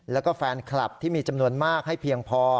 แล้วก็แฟนคลับที่มีจำนวนมากให้เพียงพอ